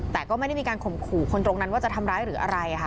แต่ก็ไม่ได้มีการข่มขู่คนตรงนั้นว่าจะทำร้ายหรืออะไรค่ะ